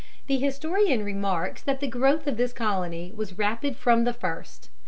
The historian remarks that the growth of this Colony was rapid from the first.